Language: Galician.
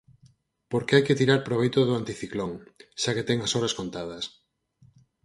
Porque hai que tirar proveito do anticiclón, xa que ten as horas contadas.